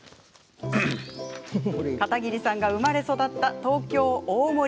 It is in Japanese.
片桐さんが生まれ育った東京・大森。